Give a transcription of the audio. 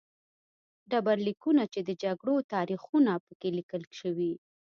ډبرلیکونه چې د جګړو تاریخونه په کې لیکل شوي